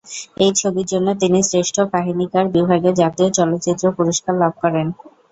এই ছবির জন্য তিনি শ্রেষ্ঠ কাহিনীকার বিভাগে জাতীয় চলচ্চিত্র পুরস্কার লাভ করেন।